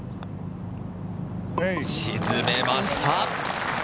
沈めました。